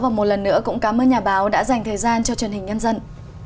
và một lần nữa cũng cảm ơn nhà báo đã dành thời gian cho truyền hình nhân dân